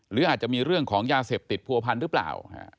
หรืออาจจะมีเรื่องของยาเสพติดผัวพันหรือเปล่า